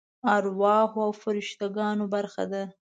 ارواحو او فرشته ګانو برخه ده.